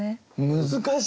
難しい。